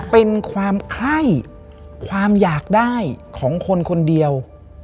เป็นความไคร้ความอยากได้ของคนคนเดียว